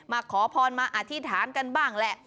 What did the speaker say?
ขอพรมาอธิษฐานกันบ้างแหละ